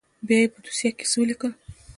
بيا يې په دوسيه کښې څه وليکل.